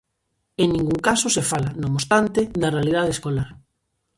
En ningún caso se fala, non obstante, da realidade escolar.